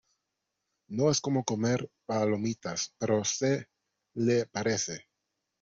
no es como comer palomitas, pero se le parece.